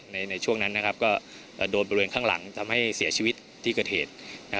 ในช่วงนั้นก็โดนบริเวณข้างหลังทำให้เสียชีวิตที่เกิดเหตุ